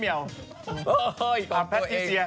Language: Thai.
อีกรอบตัวเอง